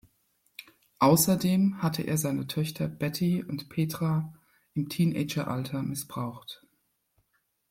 Außerdem hatte er seine Töchter Betty und Petra im Teenageralter missbraucht.